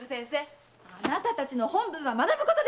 あなたたちの本分は学ぶこと！